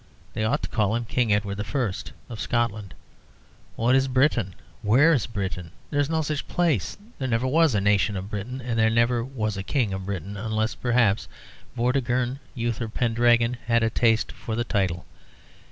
They ought to call him King Edward I. of Scotland. What is Britain? Where is Britain? There is no such place. There never was a nation of Britain; there never was a King of Britain; unless perhaps Vortigern or Uther Pendragon had a taste for the title.